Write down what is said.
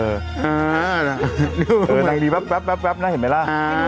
เออนางนี้แบบนั้นเห็นมั้ยล่ะ